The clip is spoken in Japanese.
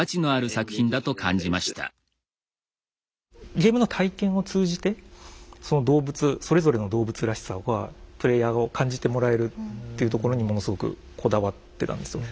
ゲームの体験を通じてその動物それぞれの動物らしさはプレイヤーを感じてもらえるっていうところにものすごくこだわってたんですよね。